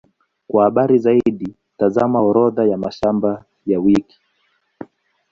Kwa habari zaidi, tazama Orodha ya mashamba ya wiki.